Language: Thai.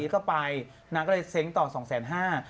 ก็ไปนางก็เลยเซ้งต่อสองแสนห้า